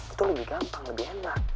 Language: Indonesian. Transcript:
itu lebih gampang lebih enak